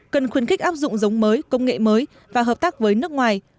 cần khuyến khích áp dụng giống mới công nghệ mới và hợp tác với nước ngoài